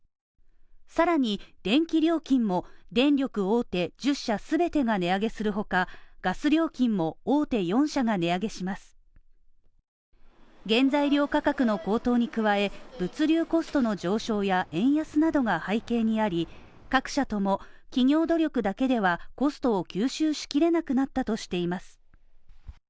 更に、電気料金も電力大手１０社全てが値上げする他、ガス料金も大手４社が値上げします原材料価格の高騰に加え物流コストの上昇や円安などが背景にあり各社とも企業努力だけではコストを吸収しきれなくなったとしています。